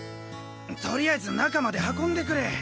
とりあえず中まで運んでくれ。